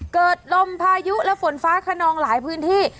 เกิดลมพายุและฝนฟ้าขนองหลายพื้นที่